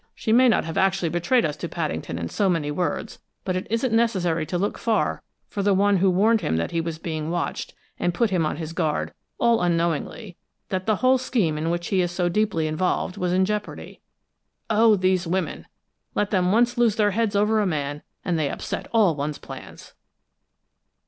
She may not have actually betrayed us to Paddington in so many words, but it isn't necessary to look far for the one who warned him that he was being watched, and put him on his guard, all unknowingly, that the whole scheme in which he is so deeply involved, was in jeopardy. Oh, these women! Let them once lose their heads over a man, and they upset all one's plans!"